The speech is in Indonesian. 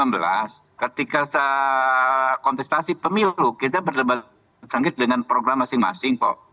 persis dua ribu sembilan belas ketika kontestasi pemilu kita berdebat dengan program masing masing kok